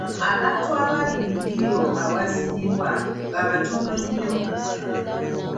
Abantu abaali mu ddiiro awazinirwa nga batono nnyo.